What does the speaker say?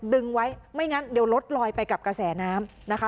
ดึงไว้ไม่งั้นเดี๋ยวรถลอยไปกับกระแสน้ำนะคะ